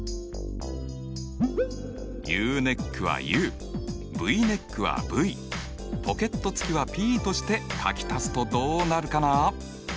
ＵネックはＵＶネックはＶポケットつきはＰとして書き足すとどうなるかな？